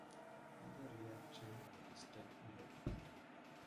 Other reactions are listed below.